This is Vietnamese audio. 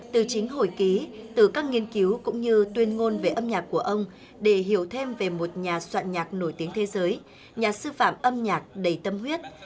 từ chính hồi ký từ các nghiên cứu cũng như tuyên ngôn về âm nhạc của ông để hiểu thêm về một nhà soạn nhạc nổi tiếng thế giới nhà sư phạm âm nhạc đầy tâm huyết